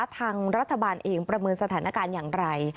ทางรัฐบาลเองประเมินสถานการณ์อย่างไร